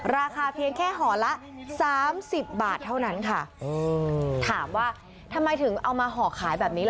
ราคาเพียงแค่ห่อละ๓๐บาทเท่านั้นค่ะ